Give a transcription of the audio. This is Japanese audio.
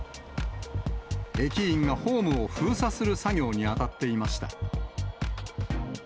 駅員がホームを封鎖する作業に当たっていました。